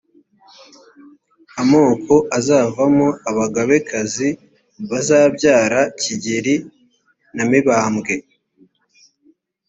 amoko azavamo abagabekazi bazabyara kigeri na mibambwe